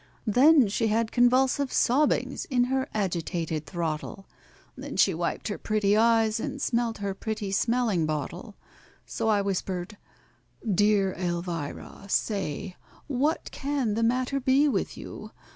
Then she had convulsive sobbings in her agitated throttle, Then she wiped her pretty eyes and smelt her pretty smelling bottle. So I whispered, "Dear ELVIRA, say,—what can the matter be with you?